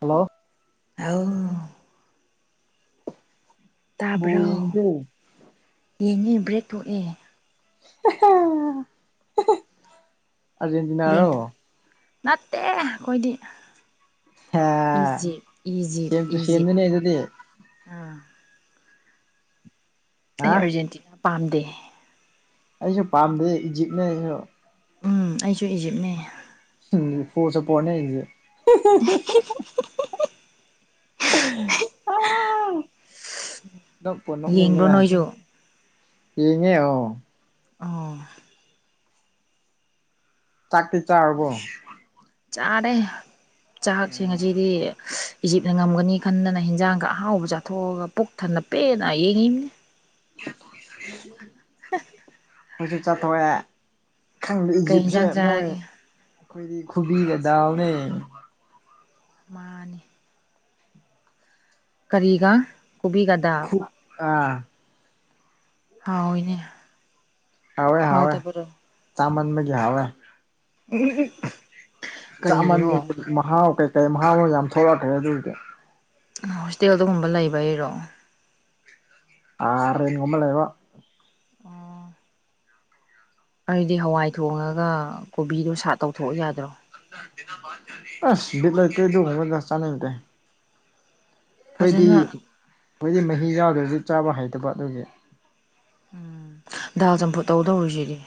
hello ꯑꯧ ball ꯌꯦꯡꯕ꯭ꯔꫭ ꯌꯦꯡꯉꯦ ꯕ꯭ꯔꯦꯛ ꯊꯣꯛꯑꯦ [unintelligible] ꯌꯦꯡ ꯑꯔꯖꯦꯟꯇꯤꯅꯥꯔꯣ ꯅꯠꯇꯦ ꯑꯈꫭꯏꯗꯤ ꯍꯥ ꯏꯖꯤꯞ ꯏꯖꯤꯞ ꯁꯦꯝ ꯇꯨ ꯏꯖꯤꯞ ꯁꯦꯝꯅꯤꯅꯦ ꯑꯈꯣꯏꯗꯤ ꯑꯗꯨꯗꯤ ꯍꯥꯥ ꯍꯥ ꯑꯩ ꯑꯔꯖꯦꯟꯇꯤꯅꯥ ꯄꯥꯝꯗꯦ ꯑꯩꯖꯨ ꯄꯥꯝꯗꯦ ꯏꯖꯤꯞꯅꯦ ꯑꯩꯁꯨ ꯎꯝ ꯑꯩꯁꯨ ꯏꯖꯤꯞꯅꯦ ꯎꯝ ꯄꫭꯁꯨ ꯄꫭꯅꯤ ꯏꯖꯤꯞ [unintelligible] [unintelligible] ꯅꯣꯛꯄꯨ ꯌꯦꯡꯕ꯭ꯔꯣ ꯅꯣꯛꯅꯤꯡꯉꯤꯗ ꯅꯣꯏꯁꯨ ꯌꯦꯡꯉꯦ ꯑꯣ ꯑꯣ ꯆꯥꯛꯇꯤ ꯆꯥꯔꯕꯣ ꯆꯥꯔꯦ ꯆꯥꯛꯁꯤ ꯑꯣ ꯉꯁꯤꯗꯤ ꯏꯖꯤꯞꯅ ꯉꯝꯒꯅꯤ ꯈꯟꯗꯅ ꯍꯤꯟꯖꯥꯡꯒ ꯑꯍꯥꯎꯕ ꯆꯥꯊꯣꯛꯑꯒ ꯄꯨꯛ ꯊꯟꯅ ꯄꯦꯟꯅ ꯌꯦꯡꯉꯤꯅꯤ [unintelligible] [unintelligible] ꯈꯣꯏꯖꯨ ꯆꯥꯊꯣꯛꯑꯦ ꯈꯪꯗꯦ ꯀꯩ ꯏꯖꯤꯞꯁꯦ ꯌꯦꯟꯖꯥꯡ ꯃꯣꯏ ꯆꯥꯔꯒꯦ ꯑꯈꯣꯏꯒꯤ ꯈꯨꯕꯤꯒꯗꯥꯎꯅꯦ ꯃꯥꯅꯤ ꯀꯔꯤꯒꯥ ꯈꯨ ꯑꯥ ꯍꯥꯎꯋꯦꯅꯦ ꯍꯥꯎꯋꯦ ꯍꯥꯎꯋꯦ ꯆꯥꯃꯟꯕꯒꯤ ꯍꯥꯎꯋꯦ [unintelligible] ꯀꯔꯤꯒꯤꯅꯣ ꯆꯥꯃꯟꯕꯒꯤ ꯃꯍꯥꯎ ꯀꯩꯀꯩ ꯃꯍꯥꯎꯅ ꯌꯥꯝ ꯊꯂꯛꯈ꯭ꯔꯦ ꯑꯗꯨꯏꯗꯤ ꯍꯣꯁꯇꯦꯜꯗꯒꯨꯝꯕ ꯂꯩꯕꯩꯔꯣ ꯑꯥ ꯔꯦꯟ ꯒꯨꯝꯕ ꯂꯩꯋꯣ ꯑꯣ ꯑꯩꯗꯤ ꯍꯋꯥꯏ ꯊꯣꯡꯉꯒ ꯀꯣꯕꯤꯗꯣ ꯁꯥꯠ ꯇꯧꯊꯣꯛꯑ ꯌꯥꯗ꯭ꯔꯣ ꯑꯁ ꯕꯤꯠ ꯂꯩꯇꯦ ꯑꯗꯨ ꯍꯥꯢꯔꯒ ꯆꯥꯅꯤꯡꯗꯦ ꯑꯈꯣꯏꯗꯤ ꯐꯖꯅ ꯑꯈꯣꯢꯗꯤ ꯃꯍꯤ ꯆꯥꯗ꯭ꯔꯁꯨ ꯆꯥꯕ ꯍꯩꯇꯕ ꯑꯗꯨꯒꯤ ꯎꯝ ꯗꯥꯜ ꯆꯝꯐꯨꯠ ꯇꯧꯗꯧꯔꯤꯁꯤꯗꯤ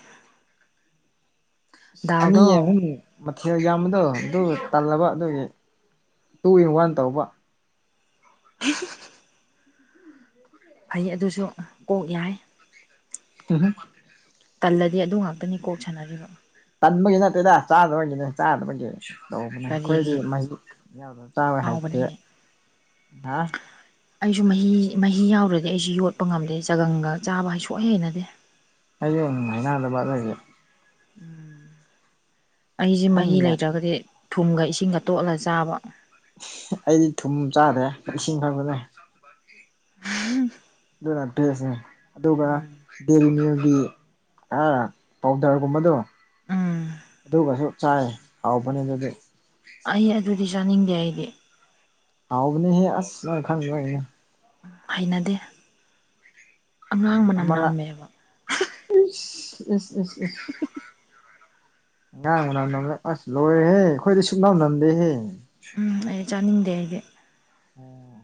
ꯑꯅꯤ ꯗꯥꯜꯗꯣ ꯑꯍꯨꯝ ꯃꯊꯦꯜ ꯌꯥꯝꯕꯗꯣ ꯑꯗꯨ ꯇꯜꯂꯕ ꯑꯗꯨꯒꯤ ꯇꯨ ꯏꯟ ꯋꯥꯟ ꯇꯧꯕ [unintelligible] ꯐꯩ ꯑꯗꯨꯁꯨ ꯀꯣꯛ ꯌꯥꯏ [unintelligible] ꯇꯜꯂꯗꯤ ꯑꯗꯨ ꯉꯥꯛꯇꯅꯤ ꯀꯣꯛ ꯁꯥꯟꯅꯔꯤꯕ ꯇꯟꯕꯒꯤ ꯅꯠꯇꯦꯗꯥ ꯆꯥꯗꯕꯒꯤꯅꯦ ꯆꯥꯗꯕꯒꯤ ꯇꯧꯕꯅꯦ ꯑꯈꯣꯏꯗꯤ ꯀꯔꯤꯒꯤ ꯃꯍꯤ ꯌꯥꯎꯗ ꯆꯥꯕ ꯍꯩꯇꯦ ꯍꯥꯎꯕꯅꯤꯅꯦ ꯍꯥ ꯑꯩꯖꯨ ꯃꯍꯤ ꯃꯍꯤ ꯌꯥꯎ꯭ꯔꯗꯤ ꯑꯩꯖꯨ ꯌꯣꯠꯄ ꯉꯝꯗꯦ ꯆꯒꯪꯒ ꯆꯥꯕ ꯍꯩ ꯁꯨꯛꯍꯩ ꯍꯩꯅꯗꯦ [unintelligible] ꯎꯝ ꯑꯩꯖꯦ ꯃꯍꯤ ꯈꯪꯗꯦ ꯂꯩꯇ꯭ꯔꯒꯗꯤ ꯊꯨꯝꯒ ꯏꯁꯤꯡꯒ ꯇꯣꯠꯂ ꯆꯥꯕ ꯑꯁ ꯑꯩꯗꯤ ꯊꯨꯝ ꯆꯥꯗꯦ ꯏꯁꯤꯡ ꯈꯛꯇꯅꯦ [unintelligible] ꯑꯗꯨꯅ [unintelligible] ꯑꯗꯨꯒ ꯎꯝ ꯗꯦꯂꯤ ꯅ꯭ꯌꯨꯒꯤ ꯑꯥ ꯄꯥꯎꯗꯔꯒꯨꯝꯕꯗꯣ ꯎꯝ ꯑꯗꯨꯒꯁꯨ ꯆꯥꯏ ꯍꯥꯎꯕꯅꯤ ꯑꯗꯨꯗꯤ ꯖꯤ ꯆꯥꯅꯤꯡꯗꯦ ꯑꯩꯗꯤ ꯍꯥꯎꯕꯅꯦꯍꯦ ꯑꯁ ꯅꯪ ꯈꯪꯗꯕꯩꯅꯤ ꯍꯩꯅꯗꯦ ꯑꯉꯥꯡ ꯃꯅꯝ ꯑꯃꯔꯛ ꯅꯝꯃꯦꯕ ꯏꯁ ꯏꯁ ꯢꯁ ꯢꯁ ꯑꯉꯥꯡ ꯃꯅꯝ ꯅꯝꯂ ꯑꯁ ꯂꯣꯏꯔꯦꯍꯦ ꯑꯈꯣꯏꯗꯤ ꯁꯨꯛꯅꯝ ꯅꯝꯗꯦꯍꯦ ꯎꯝ ꯑꯩ ꯆꯥꯅꯤꯡꯗꯦ ꯑꯩꯗꯤ ꯑꯣ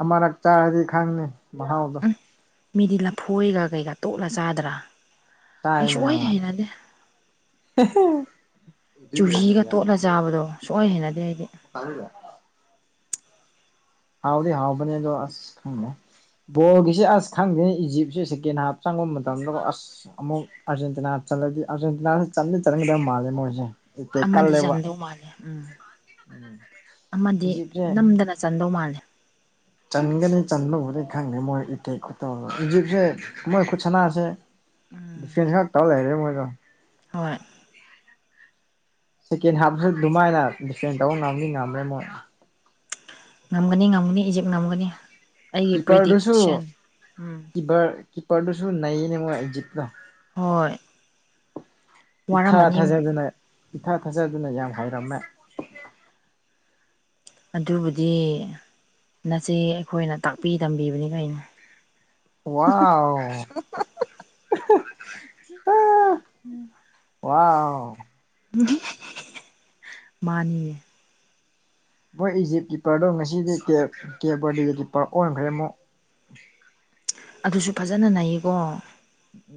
ꯑꯃꯔꯛ ꯆꯥꯔꯗꯤ ꯈꯪꯅꯤ ꯃꯍꯥꯎꯗꯣ ꯎꯝ ꯃꯤꯗꯤ ꯂꯐꯣꯏꯒ ꯀꯩꯒꯥ ꯇꯣꯠꯂ ꯆꯥꯗ꯭ꯔꯥ ꯑꯩ ꯆꯥꯏꯅꯦ ꯁꯨꯡ ꯍꯩ ꯍꯩꯅꯗꯦ ꯆꯨꯍꯤꯒ ꯇꯣꯠꯂ ꯆꯥꯕꯗꯣ ꯁꯨꯡ ꯍꯩ ꯍꯩꯅꯗꯦ ꯑꯩꯗꯤ ꯍꯥꯎꯗꯤ ꯍꯥꯎꯕꯅꯤ ꯑꯗꯣ ꯑꯁ ꯈꯪꯗꯦ ꯕꯣꯜꯒꯤꯁꯦ ꯑꯁ ꯈꯪꯗꯦ ꯏꯖꯤꯞꯁꯦ ꯁꯦꯀꯦꯟ ꯍꯥꯞ ꯆꯪꯕ ꯃꯇꯝꯗ ꯑꯁ ꯑꯃꯨꯛ ꯑꯥꯔꯖꯦꯟꯇꯤ ꯆꯜꯂꯗꯤ ꯑꯥꯔꯖꯦꯟꯇꯤꯅꯥ ꯆꯥꯟꯗꯤ ꯆꯟꯒꯗꯕ ꯃꯥꯜꯂꯦ ꯃꯣꯏꯁꯦ ꯑꯦꯇꯦꯛ ꯑꯃꯗꯤ ꯀꯜꯂꯦꯕ ꯆꯟꯗꯧ ꯃꯥꯜꯂꯦ ꯎꯝ ꯑꯃꯗꯤ ꯏꯖꯤꯞꯁꯦ ꯅꯝꯗꯅ ꯆꯟꯗꯧ ꯃꯥꯜꯂꯦ ꯆꯟꯒꯅꯤ ꯆꯟꯕꯕꯨꯗꯤ ꯈꯪꯗꯦ ꯃꯣꯏ ꯏꯇꯦꯛ ꯈꯨꯠꯇꯧ ꯏꯖꯤꯞꯁꯦ ꯃꯣꯏ ꯈꯨꯠꯁꯅꯥꯁꯦ ꯗꯤꯐꯦꯟ ꯈꯛ ꯇꯧ ꯂꯩꯔꯦ ꯃꯣꯏꯗꯣ ꯍꯣꯏ ꯁꯦꯀꯦꯟ ꯍꯥꯞꯁꯨ ꯑꯗꯨꯃꯥꯏꯅ ꯗꯤꯐꯦꯟ ꯇꯧ ꯉꯝꯘꯤ ꯉꯝꯃꯦ ꯃꯣꯏ ꯉꯝꯒꯅꯤ ꯉꯝꯒꯅꯤ ꯏꯖꯤꯞ ꯉꯝꯒꯅꯤ ꯑꯩꯒꯤ ꯀꯤꯞꯄꯔꯗꯨꯁꯨ ꯄ꯭ꯔꯤꯗꯤꯛꯁꯟ ꯎꯝ ꯀꯤꯞꯞꯔ ꯀꯤꯞꯄꯔꯗꯨꯁꯨ ꯅꯩꯌꯦꯅꯦ ꯃꯣꯏ ꯏꯖꯤꯞ ꯇꯣ ꯍꯣꯏ ꯏꯊꯥ ꯋꯥꯔꯝꯃꯅꯤ ꯊꯥꯖꯗꯅ ꯏꯊꯥ ꯊꯥꯖꯗꯅ ꯌꯥꯝ ꯍꯩꯔꯝꯃꯦ ꯑꯗꯨꯕꯨꯗꯤ ꯅꯆꯦ ꯑꯩꯈꯣꯏꯅ ꯇꯥꯛꯄꯤ ꯇꯝꯕꯤꯕꯅꯤ ꯀꯩꯅꯣ ꯋꯥꯎ ꯑ ꯋꯥꯎ ꯃꯥꯅꯤꯌꯦ ꯃꯣꯏ ꯏꯖꯤꯞ ꯀꯤꯞꯄꯔꯗꯣ ꯉꯁꯤꯗꯤ ꯀꯦ ꯀꯦ ꯕꯔꯗꯤ ꯒꯤ ꯀꯤꯞꯄꯔ ꯑꯣꯟꯈ꯭ꯔꯦ ꯑꯃꯨꯛ [inaudible] ꯑꯗꯨꯁꯨ ꯐꯖꯅ ꯅꯩꯌꯦꯀꯣ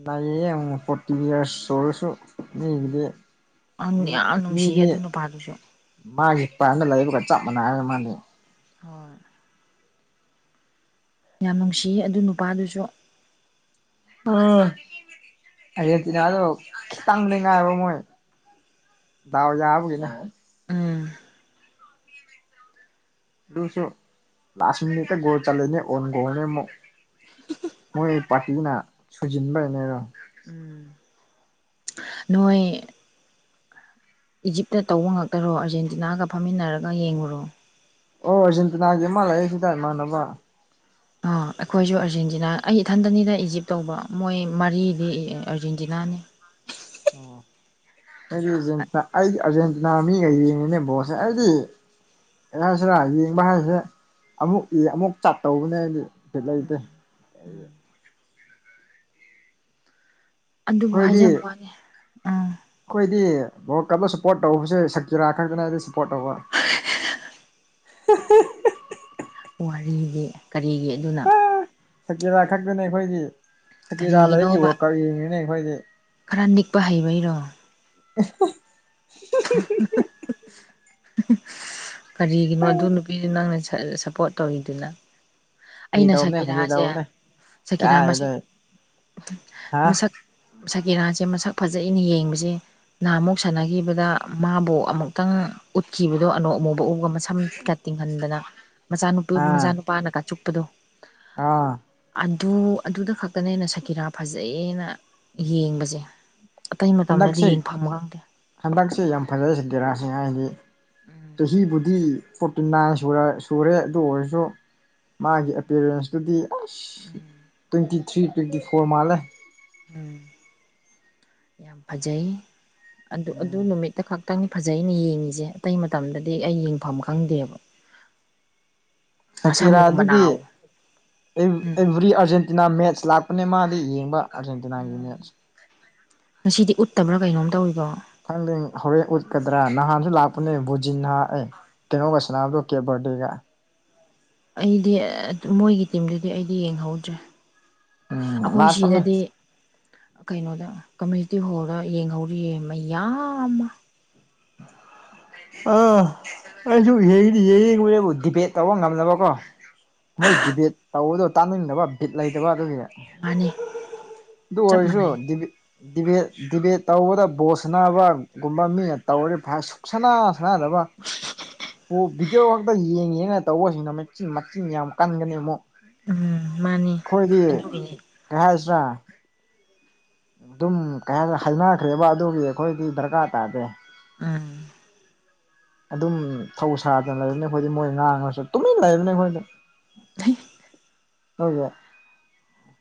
ꯅꯩꯌꯦ ꯐꯣꯔꯇꯤ ꯏꯌꯔꯁ ꯁꯨꯔꯥ ꯁꯨ ꯃꯤꯒꯤꯗꯤ ꯃꯤ ꯌꯥꯝ ꯅꯨꯡꯁꯤꯌꯦ ꯃꯤꯗꯤ ꯑꯗꯨ ꯅꯨꯄꯥꯗꯨꯁꯨ ꯃꯥꯒꯤ ꯄꯅ ꯂꯩꯕꯒ ꯆꯞ ꯃꯅꯦ ꯃꯥꯗꯤ ꯍꯣꯏ ꯌꯥꯝ ꯅꯨꯡꯁꯤ ꯌꯦ ꯑꯗꯨ ꯅꯨꯄꯥꯗꯨꯁꯨ ꯎꯝ ꯑꯔꯖꯦꯟꯇꯤꯅꯗꯣ ꯈꯤꯇꯪꯗꯤ ꯉꯥꯏꯕ ꯃꯣꯏ ꯗꯥꯎ ꯌꯥꯕꯒꯤꯅꯦ ꯎꯝ ꯗꯨꯁꯨ ꯂꯥꯁ ꯃꯤꯅꯤꯠꯇꯥ ꯒꯣꯜ ꯆꯜꯂꯤꯅꯤ ꯑꯣꯜꯒꯣꯟꯅꯦ ꯃꯨꯛ ꯃꯣꯏ ꯄꯥꯔꯇꯤꯅ ꯁꯨꯖꯤꯟꯕꯩꯅꯦꯔꯣ ꯅꯣꯏ ꯏꯖꯤꯞꯇ ꯇꯧꯕ ꯉꯥꯛꯇꯔꯣ ꯑꯥꯔꯖꯦꯟꯇꯤꯅꯥꯒ ꯐꯝꯃꯤꯟꯅꯔꯒ ꯌꯦꯡꯕꯔꯣ ꯑꯣ ꯑꯥꯔꯖꯦꯟꯇꯤꯅꯒꯤ ꯑꯃ ꯂꯩꯌꯦ ꯁꯤꯗ ꯏꯃꯥꯟ ꯅꯕ ꯑꯥ ꯑꯩꯈꯣꯏꯁꯨ ꯑꯥꯔꯖꯦꯟꯇꯤꯅꯥ ꯑꯩ ꯏꯊꯟꯗꯅꯤꯗ ꯏꯖꯤꯞ ꯇꯧꯕ ꯃꯣꯏ ꯃꯔꯤꯗꯤ ꯑꯥꯔꯖꯦꯟꯇꯤꯅꯅꯤ ꯑꯣ ꯑꯩꯗꯤ ꯑꯥꯔꯖꯦꯟꯇꯤꯅꯥ ꯑꯩꯗꯤ ꯑꯥꯔꯖꯦꯟꯇꯤꯅ ꯃꯤꯒꯥ ꯌꯦꯡꯉꯤꯅꯦ ꯕꯣꯜꯁꯦ ꯑꯩꯗꯤ [unintelligible] ꯑꯃꯨꯛ ꯏ ꯑꯃꯨꯛ ꯆꯠꯇꯧꯕꯅꯦ ꯑꯩꯗꯤ ꯕꯤꯠ ꯂꯩꯇꯦ ꯑꯗꯨꯕꯨ ꯑꯩꯈꯣꯏꯗꯤ ꯍꯥꯏꯖꯕ ꯋꯥꯅꯦ ꯑꯩꯈꯣꯏꯗꯤ ꯋꯥꯜ ꯀꯥꯞꯇ ꯁꯞꯄꯣꯔꯠ ꯇꯧꯕꯁꯦ ꯁꯀꯤꯔꯥ ꯈꯛꯇꯅꯤ ꯑꯩꯗꯤ ꯁꯞꯄꯣꯔꯠ ꯇꯧꯕ [unintelligible] ꯋꯥꯔꯤꯗꯤ ꯀꯔꯤꯒꯤ ꯑꯗꯨꯅ ꯑꯥ ꯁꯀꯤꯔꯥ ꯈꯛꯇꯅꯦ ꯑꯩꯈꯣꯏꯗꯤ ꯁꯀꯤꯔꯥ ꯂꯩꯕꯒꯤ ꯀꯔꯤꯒꯤꯅꯣꯕ ꯋꯥꯜꯀꯞ ꯌꯦꯡꯉꯤꯅꯦ ꯑꯩꯈꯣꯏꯗꯤ ꯈꯔ ꯅꯤꯛꯄ ꯍꯩꯕꯩꯔꯣ [unintelligible] [unintelligible] ꯀꯔꯤꯒꯤꯅꯣ ꯑꯗꯨ ꯅꯨꯄꯤꯗꯨ ꯅꯪꯅ ꯁꯞꯄꯣꯔꯠ ꯇꯧꯋꯤꯗꯨꯅ ꯐꯥꯒꯤ ꯑꯩꯅ ꯇꯧꯕꯅꯦ ꯐꯥꯒꯤ ꯁꯛꯀꯤꯔꯥꯁꯦ ꯇꯧꯕꯅꯦ ꯁꯛꯀꯤꯔꯥ ꯃꯁꯛ ꯀꯥꯏꯗꯩ ꯍꯥ ꯃꯁꯛ ꯁꯛꯀꯤꯔꯥꯁꯦ ꯃꯁꯛ ꯐꯖꯩꯅ ꯌꯦꯡꯕꯁꯦ ꯅꯍꯥꯃꯨꯛ ꯁꯥꯟꯅꯈꯤꯕꯗ ꯃꯥꯕꯨ ꯑꯃꯨꯛꯇꯪ ꯎꯠꯈꯤꯕꯗꯣ ꯑꯅꯣꯛ ꯑꯃꯨ [unintelligible] ꯃꯁꯝꯒ ꯇꯤꯡꯍꯟꯗꯅ ꯃꯆꯥꯅꯨꯄꯤ ꯑꯥ ꯃꯆꯥꯅꯨꯄꯥꯅꯒꯅ ꯆꯨꯞꯄꯗꯣ ꯑꯥ ꯑꯗꯨ ꯑꯗꯨꯗ ꯈꯛꯇꯅꯦ ꯑꯩꯅ ꯁꯛꯀꯤꯔꯥ ꯐꯖꯩꯅ ꯌꯦꯡꯕꯁꯦ ꯑꯇꯩ ꯃꯇꯝꯗꯗꯤ ꯍꯟꯗꯛꯁꯦ ꯌꯦꯡꯐꯝ ꯈꯪꯗꯦ ꯍꯟꯗꯛꯁꯦ ꯌꯥꯝ ꯐꯖꯩ ꯁꯛꯀꯤꯔꯥꯁꯦ ꯍꯥꯏꯗꯤ ꯆꯍꯤꯕꯨꯗꯤ ꯐꯣꯔꯇꯤ ꯅꯥꯏꯟ ꯁꯨꯔꯦ ꯑꯗꯨ ꯑꯣꯏꯔꯁꯨ ꯃꯥꯒꯤ ꯑꯦꯄꯤꯔꯦꯟꯁꯇꯨꯗꯤ ꯑꯁ ꯇ꯭ꯋꯦꯟꯇꯤ ꯊ꯭ꯔꯤ ꯇ꯭ꯋꯦꯟꯇꯤ ꯐꯣꯔ ꯃꯥꯜꯂꯦ ꯎꯝ ꯌꯥꯝ ꯐꯖꯩ ꯑꯗꯨ ꯑꯗꯨ ꯎꯝ ꯅꯨꯃꯤꯠꯇ ꯈꯛꯇꯅꯦ ꯐꯖꯩꯅ ꯌꯦꯡꯉꯤꯁꯦ ꯑꯇꯩ ꯃꯇꯝꯗꯗꯤ ꯑꯩ ꯌꯦꯡꯐꯝ ꯈꯪꯗꯦꯕ ꯃꯁꯥ ꯃꯎ ꯁꯛꯀꯤꯔꯥꯗꯨꯗꯤ ꯃꯅꯥꯎ ꯎꯝ ꯑꯦꯚ꯭ꯔꯤ ꯑꯥꯔꯖꯦꯟꯇꯤꯅꯥ ꯃꯦꯠꯁ ꯂꯥꯛꯄꯅꯦ ꯃꯥꯗꯤ ꯌꯦꯡꯕ ꯑꯥꯔꯖꯦꯟꯇꯤꯅꯥꯒꯤ ꯎꯝ ꯃꯦꯠꯆ ꯉꯁꯤꯗꯤ ꯎꯠꯇꯕ꯭ꯔ ꯀꯩꯅꯣꯝ ꯇꯧꯋꯤꯀꯣ ꯈꯪꯗꯦ ꯍꯧꯔꯦꯟ ꯎꯠꯀꯗ꯭ꯔ ꯅꯥꯍꯥꯟꯁꯨ ꯂꯥꯛꯄꯅꯦ ꯕꯣꯖꯤꯟꯍꯥ ꯑꯦ ꯀꯩꯅꯣꯒ ꯁꯥꯟꯅꯕꯗꯣ ꯀꯦꯕ ꯕꯔꯗꯦ ꯒ ꯑꯩꯗꯤ ꯃꯣꯏꯒꯤ ꯇꯤꯝꯗꯨꯗꯤ ꯑꯩꯗꯤ ꯌꯦꯡꯍꯧꯗ꯭ꯔꯦ ꯎꯝ ꯑꯈꯣꯏ ꯂꯥꯛꯄꯅꯦ ꯁꯤꯗꯗꯤ ꯀꯩꯅꯣꯗ ꯀꯝꯃ꯭ꯌꯨꯅꯤꯇꯤ ꯍꯣꯜꯗ ꯌꯦꯡꯍꯧꯔꯤꯌꯦ ꯃꯌꯥꯝꯃ [inaudible] ꯑꫭ‌ ꯑꯩꯁꯨ ꯌꯦꯡꯗꯤ ꯌꯦꯡꯅꯤꯕꯅꯦꯕꯨ ꯗꯤꯕꯦꯠ ꯇꯧꯕ ꯉꯝꯗꯕꯀꯣ ꯃꯣꯏ ꯗꯤꯕꯦꯠ ꯇꯧꯕꯗꯣ ꯇꯥꯅꯤꯡꯗꯕ ꯕꯤꯠ ꯂꯩꯇꯕ ꯑꯗꯨꯒꯤ ꯃꯥꯅꯦ ꯑꯗꯨ ꯆꯞ ꯑꯣꯏꯔꯁꯨ ꯃꯥꯟꯅꯩ ꯗꯤ ꯗꯤꯕꯦꯠ ꯗꯤꯕꯦꯠ ꯇꯧꯕꯗ ꯕꯣꯜ ꯁꯥꯟꯅꯕꯒꯨꯝꯕ ꯃꯤꯅ ꯇꯧꯔꯗꯤ ꯐꯩ ꯁꯨꯛꯁꯅꯥ ꯁꯥꯟꯅꯗꯕ ꯄꯣꯞ ꯚꯤꯗꯤꯑꯣ ꯈꯛꯇ ꯌꯦꯡ ꯌꯦꯡꯉꯒ ꯇꯧꯕꯁꯤꯡꯗꯣ ꯃꯆꯤꯟ ꯃꯆꯤꯟ ꯌꯥꯝ ꯀꯟꯒꯅꯤ ꯑꯃꯨꯛ ꯎꯝ ꯃꯥꯅꯤ ꯈꯣꯏꯗꯤ ꯑꯗꯨꯒꯤꯅꯤ ꯀꯩ ꯍꯥꯏꯁꯤꯔ ꯗꯨꯝ ꯀꯩ ꯍꯥꯏ ꯍꯩꯏꯅꯈ꯭ꯔꯦꯕ ꯑꯗꯨꯒꯤ ꯑꯩꯈꯣꯏꯗꯤ ꯗꯔꯀꯥꯔ ꯇꯥꯗꯦ ꯎꯝ ꯑꯗꯨꯝ ꯊꯧꯁꯥꯗꯅ ꯂꯩꯔꯅꯤ ꯑꯈꯣꯏꯗꯤ ꯃꯣꯏꯅ ꯉꯥꯡꯂꯁꯨ ꯇꯨꯃꯤꯟꯅ ꯂꯩꯕꯅꯦ ꯑꯈꯣꯏꯗꯤ [unintelligible] ꯅꯣꯏꯖꯦ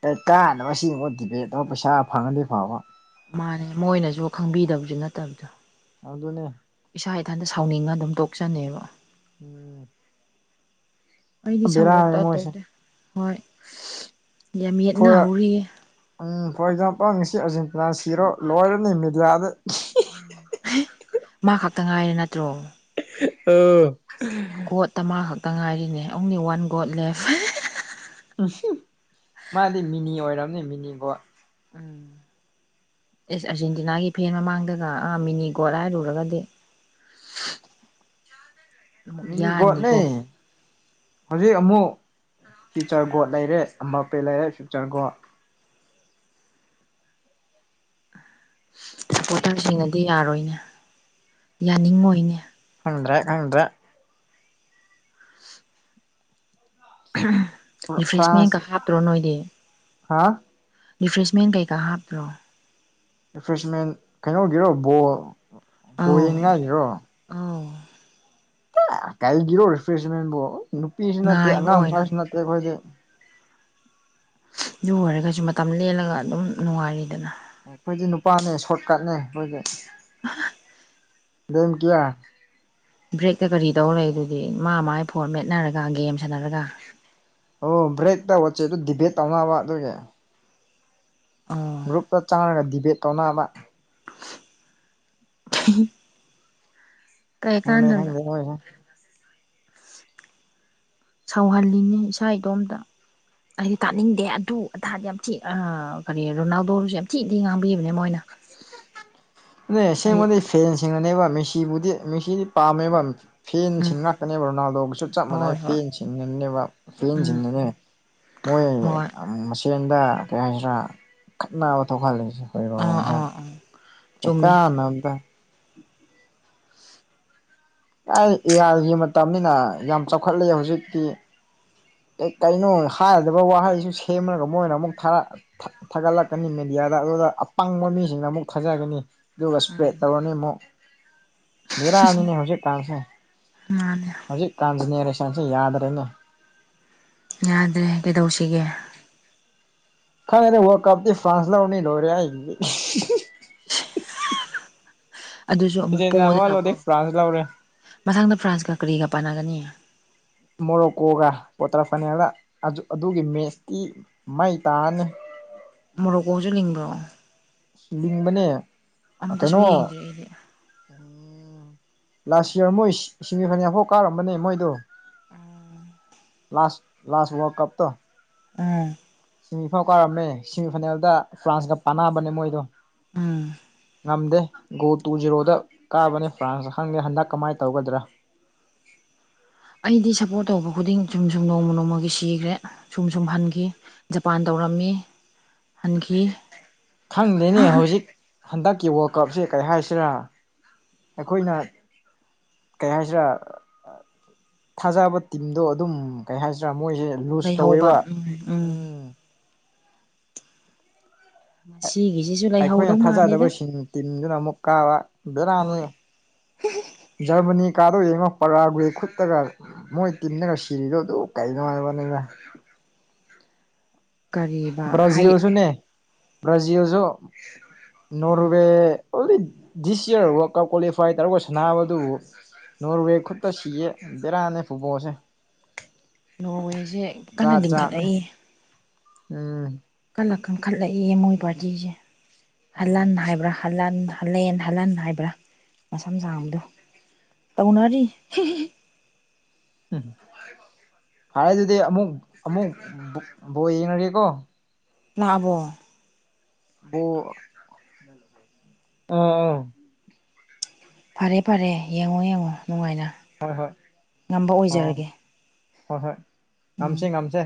ꯀꯩ ꯀꯥꯟꯅꯕ ꯁꯤꯒꯨꯝꯕ ꯗꯤꯕꯦꯠ ꯇꯧꯔꯒ ꯄꯩꯁꯥ ꯐꯪꯉꯗꯤ ꯐꯕ ꯃꯥꯅꯦ ꯃꯣꯏꯅꯖꯨ ꯈꯪꯕꯤꯗꯕꯖꯨ ꯅꯠꯇꯞꯗꯣ ꯑꯗꯨꯅꯦ ꯏꯁꯥ ꯏꯊꯟꯇ ꯁꯥꯎꯅꯤꯡꯉ ꯑꯗꯨꯝ ꯇꯣꯛꯆꯅꯦꯕ ꯎꯝ ꯑꯩꯗꯤ ꯁꯒꯣꯇ ꯕꯦꯔꯥꯅꯤ ꯃꯣꯏꯁꯦ ꯇꯧꯗꯦ [unintelligible] ꯍꯣꯏ ꯌꯥꯝ ꯌꯦꯠꯅ ꯐꯣꯔ ꯍꯧꯔꯤꯌꯦ ꯎꯝ ꯐꯣꯔ ꯑꯦꯛꯖꯥꯝꯄꯜ ꯉꯁꯤ ꯑꯔꯖꯦꯟꯇꯤꯅꯥ ꯁꯤꯔꯣ ꯂꯣꯏꯔꯅꯤ ꯃꯦꯗꯤꯌꯥꯗ ꯎꯝ [unintelligible] ꯃꯥ ꯈꯛꯇ ꯉꯥꯏꯔꯦ ꯅꯠꯇ꯭ꯔꯣ [unintelligible] ꯑꫭ ꯒꯣꯠꯇ ꯃꯥ ꯈꯛꯇ ꯉꯥꯏꯔꯦꯅꯦ ꯑꫭꯡꯂꯤ ꯋꯥꯟ ꯒꯣꯠ ꯂꯦꯞ [unintelligible] [unintelligible] ꯃꯥꯗꯤ ꯃꯤꯅꯤ ꯑꯣꯏꯔꯝꯅꯤ ꯃꯤꯅꯤ ꯒꫭꯠ ꯎꯝ ꯑꯦꯁ ꯑꯔꯖꯦꯟꯇꯤꯅꯥꯒꯤ ꯐꯦꯟ ꯃꯃꯥꯡꯗꯒ ꯑꯥ ꯃꯤꯅꯤ ꯒꯣꯠ ꯍꯥꯏꯔꯨꯔꯒꯗꯤ [inaudible] ꯑꯃꯨꯛ ꯃꯤꯅꯤꯒꯣꯠꯅꯦ ꯌꯥꯅꯤꯀꯣ ꯍꯧꯖꯤꯛ ꯑꯃꯨꯛ ꯐꯨꯆꯔ ꯒꯣꯠ ꯂꯩꯔꯦ ꯑꯝꯄꯦ ꯂꯩꯔꯦ ꯐꯤꯆꯔ ꯒꯣꯠ ꯁꯞꯄꯣꯇꯔꯁꯤꯡꯅꯗꯤ ꯌꯥꯔꯣꯏꯅꯦ ꯌꯥꯅꯤꯡꯉꯣꯏꯅꯦ ꯈꯪꯗ꯭ꯔꯦ ꯈꯪꯗ꯭ꯔꯦ ꯔꯤꯐ꯭ꯔꯦꯁꯃꯦꯟꯒ ꯐ꯭ꯔꯥꯟꯁ ꯍꯥꯞꯇ꯭ꯔꯣ ꯅꯣꯏꯗꯤ ꯍꯥ ꯔꯤꯐ꯭ꯔꯦꯁꯃꯦꯟ ꯀꯩꯀꯥ ꯍꯥꯞꯇꯔꯣ ꯔꯤꯐ꯭ꯔꯦꯁꯃꯦꯟ ꯀꯩꯅꯣꯒꯤꯔꯣ ꯕꯣꯜ ꯕꯣꯜ ꯑꯧ ꯌꯦꯡꯅꯤꯉꯥꯏꯒꯤꯔꯣ ꯑꯧ ꯀꯩꯒꯤꯔꯣ ꯔꯤꯐ꯭ꯔꯦꯁꯃꯦꯟꯕꯣ ꯅꯨꯄꯤꯁꯨ ꯅꯠꯇꯦ ꯉꯥꯏꯕ ꯑꯉꯥꯡ ꯑꯣꯏꯅ ꯃꯆꯥꯁꯨ ꯅꯠꯇꯦ ꯑꯩꯈꯣꯏꯗꯤ ꯨ ꯑꯗꯨ ꯑꯣꯏꯔꯒꯁꯨ ꯃꯇꯝ ꯂꯦꯜꯂꯒ ꯑꯗꯨꯝ ꯅꯨꯡꯉꯥꯏꯔꯤꯗꯅ ꯑꯩꯈꯣꯏꯗꯤꯦ ꯅꯨꯄꯥꯅꯦ ꯁꯣꯠꯀꯠꯅꯦ ꯈꯣꯏꯗꯤ ꯑꯍꯥ ꯅꯪ ꯀꯤꯌꯥ ꯕ꯭ꯔꯦꯛꯇ ꯀꯔꯤ ꯇꯧꯔ ꯂꯩ ꯑꯗꯨꯗꯤ ꯃꯥ ꯃꯥꯏ ꯐꯣꯟ ꯃꯦꯠꯅꯔꯒ ꯒꯦꯝ ꯁꯥꯟꯅꯔꯒ ꯑꯣ ꯕ꯭ꯔꯦꯛꯇ ꯋꯥꯆꯦꯞꯇ ꯗꯤꯕꯦꯠ ꯇꯧꯅꯕ ꯑꯗꯨꯒꯤ ꯑꯣ ꯒ꯭ꯔꯨꯞꯇ ꯆꯪꯔꯒ ꯗꯤꯕꯦꯠ ꯇꯧꯅꯕ ꯍꯤ ꯍꯤ [unintelligible] ꯁꯧꯍꯜꯂꯤꯅꯤ ꯏꯁꯥ ꯏꯇꯣꯝꯇ ꯑꯩꯗꯤ ꯇꯥꯅꯤꯡꯗꯦ ꯑꯗꯨ ꯑꯗꯥꯥꯗꯤ ꯌꯥꯝ ꯊꯤ ꯑ ꯀꯔꯤ ꯔꯣꯅꯥꯜꯗꯣꯁꯨ ꯌꯥꯝ ꯊꯤ ꯊꯤ ꯉꯥꯡꯕꯤꯕꯅꯦ ꯃꯣꯏꯅ ꯅꯣꯏ ꯑꯩ ꯑꯁꯦꯡꯕꯗꯤ ꯐꯦꯟꯁꯤꯅꯦꯕ ꯃꯦꯁꯤ ꯁꯤꯕꯨꯗꯤ ꯃꯤꯁꯤꯗꯤ ꯄꯥꯝꯃꯦꯕ ꯐꯦꯟꯁꯤꯡ ꯎꯝ ꯉꯥꯛꯇꯅꯦꯕ ꯔꯣꯅꯥꯜꯗꯣꯒꯤꯁꯨ ꯆꯞ ꯃꯥꯟꯅꯩ ꯍꯣꯏ ꯍꯣꯏ ꯐꯦꯟꯁꯤꯡꯅꯅꯦꯕ ꯎꯝ ꯐꯦꯟꯁꯤꯡꯗꯨꯅꯦ ꯃꯣꯏ ꯍꯣꯏ ꯃꯁꯦꯟ ꯗꯥ ꯀꯩ ꯍꯥꯏꯁꯤꯔꯥ ꯈꯠꯅꯕ ꯊꯣꯛꯍꯜꯂꯤꯁꯦ ꯑꯥ ꯍꯣꯏꯔꯣꯡꯗ ꯑꯥ ꯑꯥ ꯀꯩ ꯆꯨꯝꯃꯦ ꯀꯥꯟꯅꯕꯗ ꯑꯩ ꯑꯦ ꯑꯥꯏꯒꯤ ꯃꯇꯝꯅꯤꯅ ꯌꯥꯝ ꯆꯥꯎꯈꯠꯂꯦ ꯍꯧꯖꯤꯛꯇꯤ ꯀꯩꯅꯣ ꯍꯥꯏꯔꯣꯏꯗꯕ ꯋꯥꯍꯩꯁꯨ ꯁꯦꯝꯂꯒ ꯃꯣꯏꯅ ꯑꯃꯨꯛ ꯊꯥꯔꯥ ꯊꯥꯒꯠꯂꯛꯀꯅꯤ ꯃꯦꯗꯤ ꯌꯥꯔꯛꯂꯒ ꯑꯄꯪꯕ ꯃꯤꯁꯤꯅ ꯑꯃꯨꯛ ꯊꯥꯖꯥꯒꯅꯤ ꯑꯗꯨꯒ ꯏꯁꯄꯦꯞ ꯇꯧꯔꯅꯤ ꯑꯃꯨꯛ ꯕꯦꯔꯥꯅꯤꯅꯦ ꯍꯧꯖꯤꯛ ꯀꯥꯟꯁꯦ ꯃꯥꯅꯦ ꯍꯧꯖꯤꯛ ꯀꯥꯟꯁꯦ ꯅꯦꯔꯦꯁꯟꯁꯦ ꯌꯥꯗ꯭ꯔꯦꯅꯦ ꯌꯥꯗ꯭ꯔꯦ ꯀꯩꯗꯧꯁꯤꯒꯦ ꯈꯪꯉꯦꯗ ꯋꯥꯔꯜ ꯀꯄꯇꯤ ꯐ꯭ꯔꯥꯟꯁ ꯂꯧꯅꯤ ꯂꯣꯏꯔꯦ ꯍꯦ ꯑꯗꯨꯁꯨ ꯑꯃꯨꯛ ꯄꯣꯛꯗꯅꯀꯣ ꯐ꯭ꯔꯥꯟꯁ ꯂꯧꯔꯦ ꯃꯊꯪꯗ ꯐ꯭ꯔꯥꯟꯁꯀ ꯀꯔꯤꯒ ꯄꯥꯟꯅꯒꯅꯤ ꯃꯣꯔꯣꯛꯀꯣꯒ ꯀ꯭ꯋꯥꯇꯔ ꯐꯥꯏꯅꯦꯜꯗ ꯑꯗꯨ ꯑꯗꯨꯒꯤ ꯃꯦꯠꯁꯇꯤ ꯃꯩ ꯇꯥꯅꯤ ꯃꯣꯔ ꯀꯣꯁꯨ ꯂꯤꯡꯕ꯭ꯔꯣ ꯂꯤꯡꯕꯅꯦ ꯑꯝꯇꯁꯨ ꯀꯩꯅꯣ ꯌꯦꯡꯗꯔꯤ ꯑꯩꯗꯤ ꯂꯥꯁ ꯌꯌꯥꯔ ꯃꯣꯏ ꯁꯤꯡꯃꯤ ꯐꯥꯏꯅꯦꯜꯌꯥꯐꯥꯎ ꯀꯥꯔꯝꯕꯅꯦ ꯃꯣꯏꯗꯣ ꯑꯝ ꯂꯥꯁ ꯂꯥꯁ ꯋꯥꯔ ꯀꯞꯇꯣ ꯑꯥ ꯁꯤꯃꯤꯐꯥꯎ ꯀꯥꯔꯝꯃꯦ ꯁꯦꯃꯤꯐꯥꯏꯅꯦꯜꯗ ꯐ꯭ꯔꯥꯟꯁꯀ ꯄꯥꯟꯅꯕꯅꯦ ꯃꯣꯏꯗꯣ ꯎꯝ ꯉꯝꯗꯦ ꯒꯣꯜ ꯇꯨ ꯖꯤꯔꯣꯗ ꯀꯥꯕꯅꯦ ꯐ꯭ꯔꯥꯟꯁꯅ ꯈꯪꯗꯦ ꯍꯟꯗꯛ ꯀꯝꯃꯥꯏ ꯇꯧꯒꯗ꯭ꯔ ꯑꯩꯗꯤ ꯁꯞꯄꯣꯔꯠ ꯇꯧꯕ ꯈꯨꯗꯤꯡ ꯁꯨꯝ ꯁꯨꯝ ꯅꯣꯡꯃ ꯅꯣꯡꯃꯒꯤ ꯁꯤꯈ꯭ꯔꯦ ꯁꯨꯝ ꯁꯨꯝ ꯍꯟꯈꯤ ꯖꯄꯥꯟ ꯇꯧ ꯔꯝꯃꯤ ꯍꯟꯈꯤ ꯈꯪꯗꯦꯅꯦ ꯍꯧꯖꯤꯛ ꯍꯟꯗꯛꯀꯤ ꯋꯥꯔꯜ ꯀꯞꯁꯦ ꯀꯔꯤ ꯍꯥꯏꯁꯤꯔꯥ ꯑꯩꯈꯣꯏꯅ ꯀꯩ ꯍꯥꯏꯁꯤꯔ ꯊꯥꯖꯕ ꯇꯤꯝꯗꯣ ꯑꯗꯨꯝ ꯀꯩ ꯍꯥꯏꯁꯤꯔ ꯃꯣꯏꯖꯦ ꯂꯨꯖ ꯂꯩꯍꯧꯕ ꯇꯧꯋꯦꯕ ꯎꯝ ꯎꯝ ꯉꯁꯤꯒꯤꯁꯤꯁꯨ ꯑꯩꯈꯣꯏꯅ ꯂꯩꯍꯧꯗꯧ ꯃꯥꯜꯂꯦꯗ ꯊꯥꯖꯗꯕꯁꯤꯡ ꯇꯤꯝꯗꯨꯅ ꯑꯃꯨꯛ ꯀꯥꯕ ꯕꯦꯔꯥꯅꯤ ꯍꯣꯏ ꯖꯔꯃꯅꯤ ꯀꯥꯗꯣ ꯌꯦꯡꯉꯣ ꯄꯔ꯭ꯋꯥꯒꯦ ꯈꯨꯠꯇꯒ ꯃꯣꯏ ꯇꯤꯝꯅꯒ ꯁꯤꯔꯤꯗꯣ ꯑꯗꯨ ꯀꯩꯅꯣ ꯍꯥꯏꯕ [unintelligible] ꯀꯔꯤꯕ ꯍꯩ ꯕ꯭ꯔꯖꯤꯜꯁꯨꯅꯦ ꯕꯔꯖꯤꯜꯁꯨ ꯎꯝ Norway [unintelligible] this year world cup qualify ꯇꯧꯔꯒ ꯁꯥꯟꯅꯕꯗꯨꯕꯨ ꯅꯣꯔꯋꯦ ꯈꯨꯠꯇ ꯁꯤꯌꯦ ꯕꯦꯔꯥꯅꯦ ꯐꯨꯠꯕꯣꯜꯁꯦ ꯅꯣꯔꯋꯦꯖꯦ ꯀꯟꯅ ꯖꯥꯠ ꯖꯥꯠꯅꯦ ꯂꯤꯡꯈꯠꯂꯛꯏꯌꯦ ꯎꯝ ꯀꯟꯅ ꯀꯪꯈꯠꯂꯛꯏꯔꯦ ꯃꯣꯏ ꯄꯥꯔꯇꯤꯁꯦ ꯍꯂꯥꯟ ꯎꯝ ꯍꯥꯏꯕ꯭ꯔ ꯍꯜꯂꯥꯟ ꯍꯜꯂꯦꯟ ꯍꯂꯥꯟ ꯍꯥꯏꯕ꯭ꯔ ꯃꯁꯝ ꯁꯥꯡꯕꯗꯣ ꯇꯧꯅꯔꯤ [unintelligible] [unintelligible] ꯐꯔꯦ ꯑꯗꯨꯗꯤ ꯑꯃꯨꯛ ꯑꯃꯨꯛ ꯕꯣꯜ ꯌꯦꯡꯉꯒꯦꯀꫭ ꯂꯥꯑꯕꫭ ꯕꯣꯜ ꯑꫭ ꯑꫭ ꯐꯔꯦ ꯐꯔꯦ ꯌꯦꯡꯉꯣ ꯌꯦꯡꯉꯣ ꯅꯨꯡꯉꯥꯏꯅ ꯍꯣꯏ ꯍꯣꯏ ꯉꯝꯕ ꯑꯧ ꯑꯣꯏꯖꯔꯒꯦ ꯍꯣꯏ ꯍꯣꯏ ꯎꯝ ꯉꯝꯁꯦ ꯉꯝꯁꯦ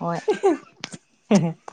ꯍꯣꯏ